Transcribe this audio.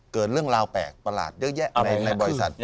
เกิดเรื่องราวแปลกประหลาดเยอะแยะในบริษัท